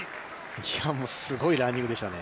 いや、もうすごいランニングでしたね。